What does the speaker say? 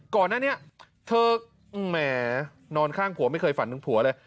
ก่อนนั้นเนี่ยเธอแหมนอนข้างผัวไม่เคยฝันผัวเลย